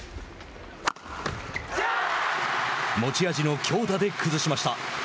持ち味の強打で崩しました。